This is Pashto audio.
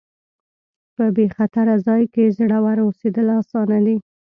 په بې خطره ځای کې زړور اوسېدل اسانه دي.